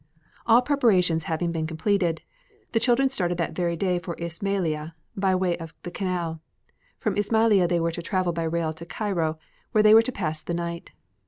All preparations having been completed, the children started that very day for Ismailia by way of the Canal. From Ismailia they were to travel by rail to Cairo, where they were to pass the night.